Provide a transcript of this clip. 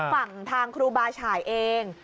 ฝั่งทางครูบาฉ่ายเอง